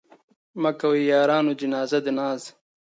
مه کوئ يارانو جنازه د ناز